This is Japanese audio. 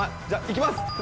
じゃあ行きます。